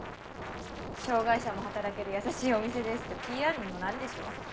障がい者も働ける優しいお店ですってＰＲにもなるでしょ。